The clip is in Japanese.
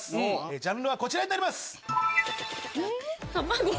ジャンルはこちらになります！